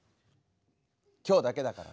今日だけだから。